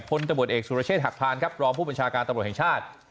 ตำรวจเอกสุรเชษฐหักพานครับรองผู้บัญชาการตำรวจแห่งชาติ